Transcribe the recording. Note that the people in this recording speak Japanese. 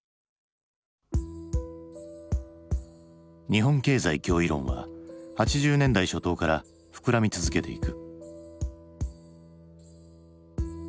日本経済脅威論は８０年代初頭から膨らみ続けていく。